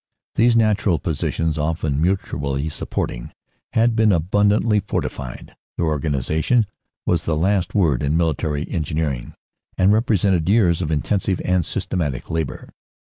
These natural posi tions, often mutually supporting, had been abundantly forti fied. Their organization was the last word in military engi neering, and represented years of intensive and systematic labor.